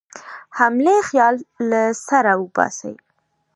حملې خیال له سره وباسي.